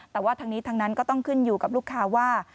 แต่ว่าทั้งนี้ทั้งนั้นก็ต้องขึ้นอยู่กับลูกค้าว่า